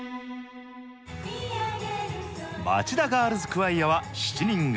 まちだガールズ・クワイアは７人組。